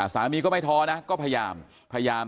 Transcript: สามีก็ไม่ท้อนะก็พยายามพยายาม